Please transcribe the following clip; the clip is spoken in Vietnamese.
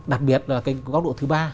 đặc biệt là cái góc độ thứ ba